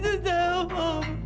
itu salah om